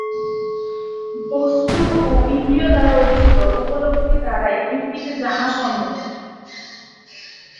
বস্তু ও ইন্দ্রিয় দ্বারা অর্জিত উপলব্ধি দ্বারাই পৃথিবীকে জানা সম্ভব।